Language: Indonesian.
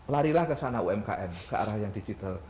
larilah ke sana umkm ke arah yang digital